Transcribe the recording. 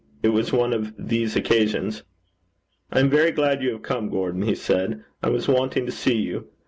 It was one of these occasions. 'I am very glad you have come, Gordon,' he said. 'I was wanting to see you.